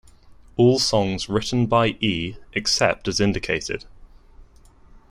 All songs written by E, except as indicated.